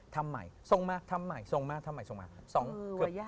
ทำใหม่ส่งมาทำใหม่ส่งมาทำไมส่งมาครับ